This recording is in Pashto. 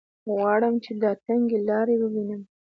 غواړم چې دا تنګې لارې ووینم.